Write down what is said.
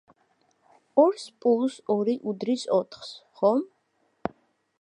ორს პლუს ორი უდრის ოთხს, ხომ?